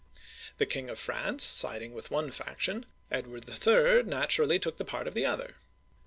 The King of France siding with one faction, Edward III. naturally took the part of the other.